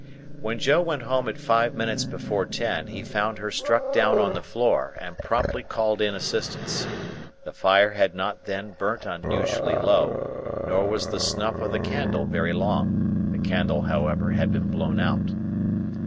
When Joe went home at five minutes before ten, he found her struck down on the floor, and promptly called in assistance. The fire had not then burnt unusually low, nor was the snuff of the candle very long; the candle, however, had been blown out.